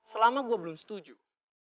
selama gue belum setuju